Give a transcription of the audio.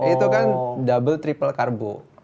itu kan double triple karbo